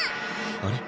あれ？